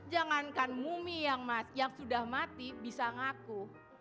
jangankan mumi yang sudah mati bisa ngaku